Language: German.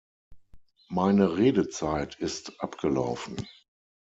Meine Redezeit ist abgelaufen.